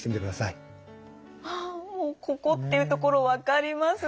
ああもうここっていう所分かります。